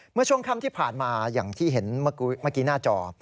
เมื่อช่วงค่ำที่ผ่านมาอย่างที่เห็นเมื่อกี้หน้าจอ